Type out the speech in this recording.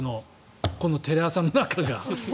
このテレ朝の中が。